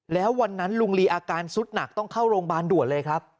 แล้ววันนั้นลุงลีอาการสุดหนักต้องเข้าโรงพยาบาลด่วนเลยครับ